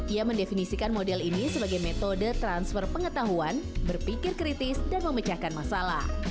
ia mendefinisikan model ini sebagai metode transfer pengetahuan berpikir kritis dan memecahkan masalah